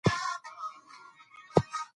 زده کړه د نېکمرغۍ اساس دی.